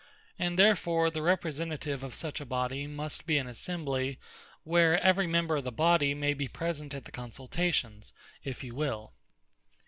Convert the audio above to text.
And therefore the Representative of such a Body must be an Assembly, where every member of the Body may be present at the consultations, if he will.